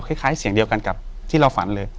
คล้ายเสียงเดียวกันกับที่เราฝันเลย